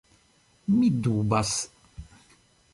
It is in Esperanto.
Mi dubas!